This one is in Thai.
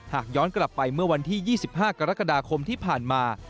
หากย้อนกลับไปเมื่อวันที่๒๕กรกฎาคมที่ผ่านมา